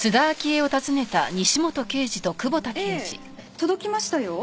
ええ届きましたよ。